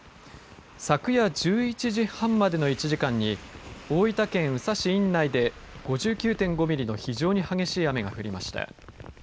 昨夜１１時半までの１時間に大分県宇佐市院内で５９．５ミリの非常に激しい雨が降りました。